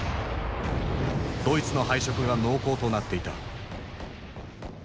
ドイツの敗色が濃厚となっていた。